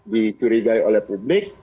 dicurigai oleh publik